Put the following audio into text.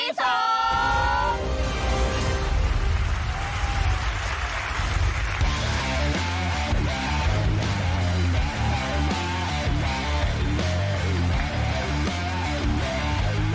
มีสภาษณ์ทางกลางวันอันใน